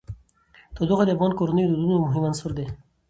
تودوخه د افغان کورنیو د دودونو مهم عنصر دی.